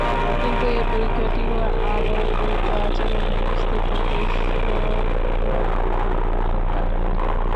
কিন্তু এ পরীক্ষাটিও আলোর দ্বৈত আচরণের অস্তিত্ব দৃশ্যত প্রমাণ করতে পারেনি।